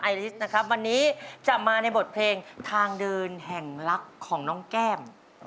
ลิสนะครับวันนี้จะมาในบทเพลงทางเดินแห่งรักของน้องแก้ม